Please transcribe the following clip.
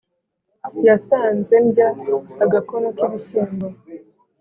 yasanze ndya agakono k’ibishyimbo,